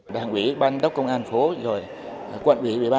đảng quỹ ban tốc công an phố rồi quận quỹ bệ ban